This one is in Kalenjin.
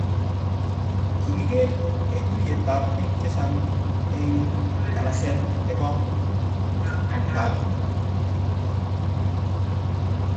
kikiker kotuiyet ab bik che chang eng kanaset neo nebo Kampala